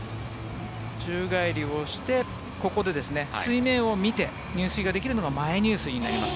宙返りをしてここで水面を見て入水ができるのが前入水になります。